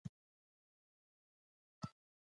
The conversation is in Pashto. هغه سړی ډېر شه اخلاق لري.